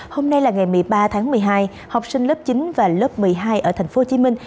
hôm nay là ngày một mươi ba tháng một mươi hai học sinh lớp chín và lớp một mươi hai ở thành phố hồ chí minh